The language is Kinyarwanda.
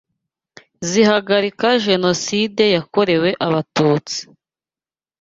zihagarika jenoside yakorewe abatutsi